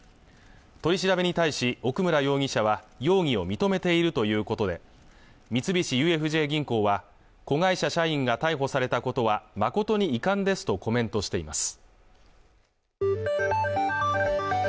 取り調べに対し奥村容疑者は容疑を認めているということで三菱ＵＦＪ銀行は子会社社員が逮捕されたことは誠に遺憾ですとコメントしています